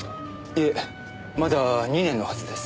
いえまだ２年のはずです。